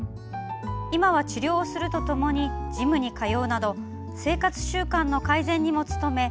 今は治療をするとともにジムに通うなど生活習慣の改善にも努め